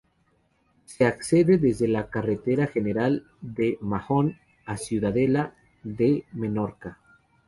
Se accede desde la carretera general de Mahón a Ciudadela de Menorca.